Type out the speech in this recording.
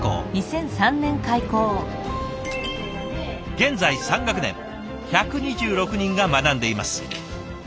現在３学年１２６人が学んでいます。